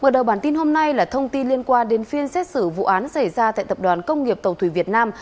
mở đầu bản tin hôm nay là thông tin liên quan đến phiên xét xử vụ án xảy ra tại tập đoàn công nghiệp tàu thủy việt nam